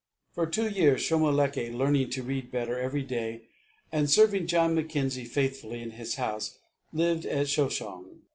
For two years Shomolekae, learning to read better every day, and serving John Mackenzie faithfully in his house, lived at Shoshong.